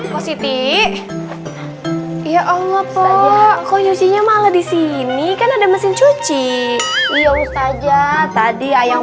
positi iya allah kok nyucinya malah disini kan ada mesin cuci iya ustazah tadi ayam